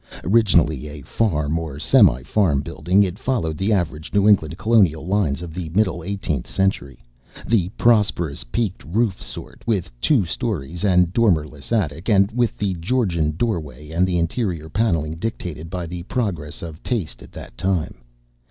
Originally a farm or semi farm building, it followed the average New England colonial lines of the middle Eighteenth Century the prosperous peaked roof sort, with two stories and dormerless attic, and with the Georgian doorway and interior panelling dictated by the progress of taste at that time.